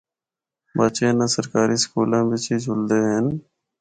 بچے اناں سرکاری سکولاں بچ ای جُلدے ہن۔